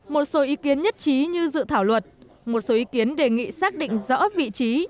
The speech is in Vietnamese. một số ý kiến nhất trí như dự thảo luật một số ý kiến đề nghị xác định rõ vị trí